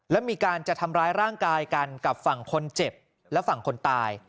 และมีการจะทำร้ายร่างกายกันกับฝั่งคนเจ็บและฝั่งคนตาย